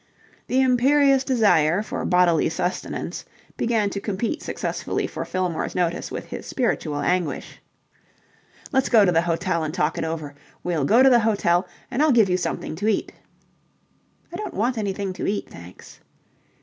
The imperious desire for bodily sustenance began to compete successfully for Fillmore's notice with his spiritual anguish. "Let's go to the hotel and talk it over. We'll go to the hotel and I'll give you something to eat." "I don't want anything to eat, thanks."